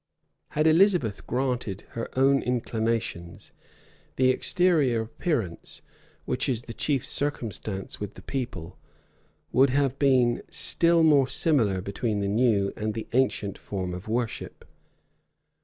Had Elizabeth gratified her own inclinations, the exterior appearance, which is the chief circumstance with the people, would have been still more similar between the new and the ancient form of worship.